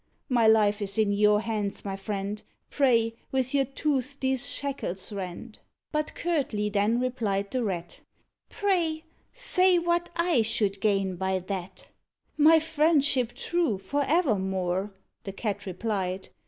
My life is in your hands, my friend; Pray, with your tooth these, shackles rend." But curtly then replied the Rat, "Pray, say what I should gain by that?" "My friendship true, for evermore," The Cat replied.